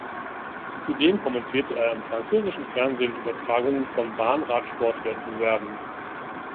Zudem kommentiert er im französischen Fernsehen Übertragungen von Bahnradsport-Wettbewerben.